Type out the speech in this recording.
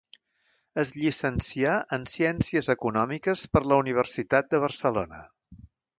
Es llicencià en ciències econòmiques per la Universitat de Barcelona.